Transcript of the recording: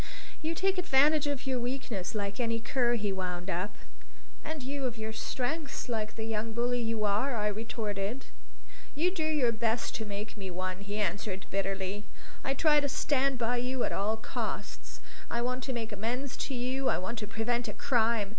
"You take advantage of your weakness, like any cur," he wound up. "And you of your strength like the young bully you are!" I retorted. "You do your best to make me one," he answered bitterly. "I try to stand by you at all costs. I want to make amends to you, I want to prevent a crime.